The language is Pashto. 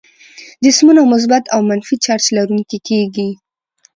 جسمونه مثبت او منفي چارج لرونکي کیږي.